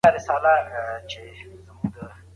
که خلګ روغ وي، تولید به زیات سي.